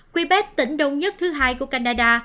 quebec tỉnh đông nhất thứ hai của canada